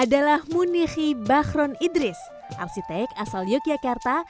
adalah muniqi bakhron idris arsitek asal yogyakarta